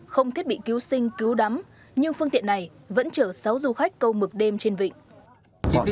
không thiết bị cứu sinh cứu đắm nhưng phương tiện này vẫn chở sáu du khách câu mực đêm trên vịnh